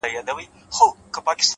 • چي به خبره د پښتو چي د غیرت به سوله,